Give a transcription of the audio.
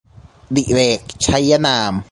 ดิเรก ชัยนาม